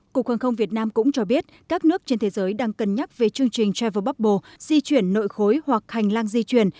cục hàng không việt nam cũng cho biết các nước trên thế giới đang cân nhắc về chương trình travel bubble di chuyển nội khối hoặc hành lang di chuyển